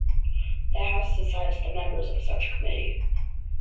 The House decides the members of such committee.